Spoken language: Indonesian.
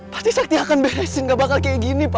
berarti sakti akan beresin gak bakal kayak gini pa